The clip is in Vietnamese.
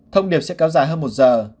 thông điệp sẽ kéo dài hơn một giờ